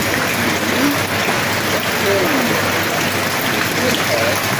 Deg undebdu, ttbeḥḥiren medden, acku iḥma lḥal